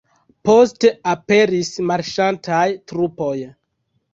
Poste aperis marŝantaj trupoj.